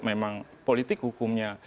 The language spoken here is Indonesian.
memang politik hukumnya